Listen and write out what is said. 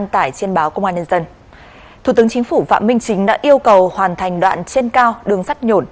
thủ tướng chính phủ phạm minh chính đã yêu cầu hoàn thành đoạn trên cao đường sắt nhổn